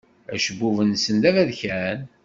Acebbub-nsen d aberkan.